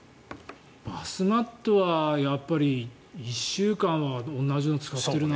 バスマットはやっぱり１週間は同じの使ってるな。